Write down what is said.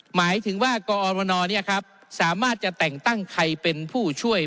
หมายถึงว่ากอรมนสามารถจะแต่งตั้งใครเป็นผู้ช่วย